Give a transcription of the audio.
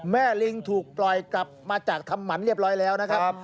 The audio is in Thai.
ลิงถูกปล่อยกลับมาจากทำหมันเรียบร้อยแล้วนะครับ